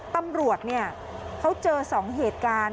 ตำรวจเขาเจอ๒เหตุการณ์